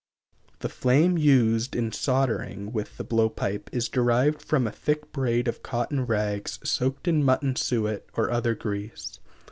The flame used in soldering with the blow pipe is derived from a thick braid of cotton rags soaked in mutton suet or other grease.